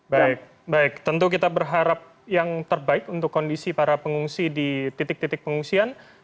baik baik tentu kita berharap yang terbaik untuk kondisi para pengungsi di titik titik pengungsian